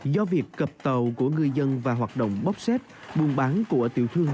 do việc cập tàu của ngư dân và hoạt động bốc xếp buôn bán của tiểu thương